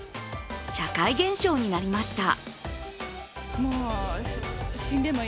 社会現象になりました。